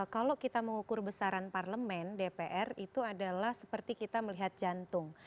kalau kita mengukur besaran parlemen dpr itu adalah seperti kita melihat jantung